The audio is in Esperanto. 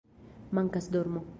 Mankas dormo